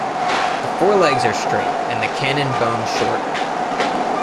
The forelegs are straight and the cannon bone short.